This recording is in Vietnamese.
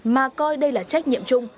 mà coi đây là trách nhiệm chung